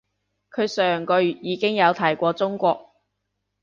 佢上個月已經有提過中國